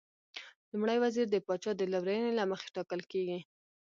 لومړی وزیر د پاچا د لورینې له مخې ټاکل کېږي.